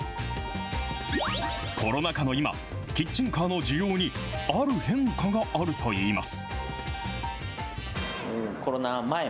コロナ禍の今、キッチンカーの需要にある変化があるといいます。